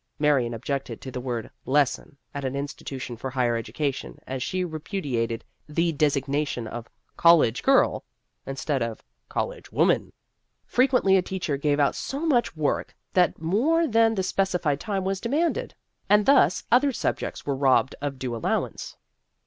(Marion objected to the word lesson at an institution for higher education, as she repudiated the designa tion of college girl instead of college woman.) Frequently a teacher gave out so much work that more than the specified time was demanded, and thus other sub jects were robbed of due allowance.